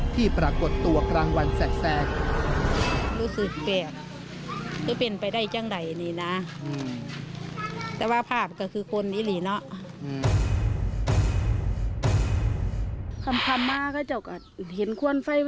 ปรากฏตัวกลางวันแสก